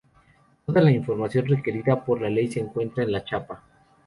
Toda la información requerida por ley se encuentra en la chapa.